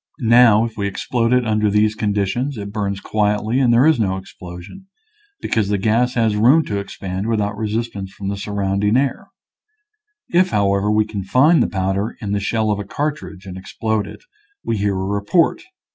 Now, if we explode it under these conditions it burns quietly and there is no explosion, because the gas has room to expand without resistance from the sur rounding air. If, however, we confine the powder in the shell of a cartridge and explode it, we hear a report.